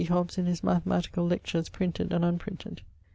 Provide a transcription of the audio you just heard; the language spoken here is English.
Hobbes in his mathematicall lectures, printed and unprinted.